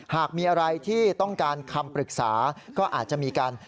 หากมีอะไรที่ต้องการคำปรึกษาก็อาจจะมีการ